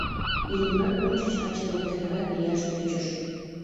Иллимар ончыч ача воктенрак лияш тӧчыш.